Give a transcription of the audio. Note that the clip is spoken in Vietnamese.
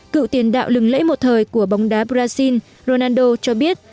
cựu tiền đạo lừng lễ một thời của bóng đá brazil ronando cho biết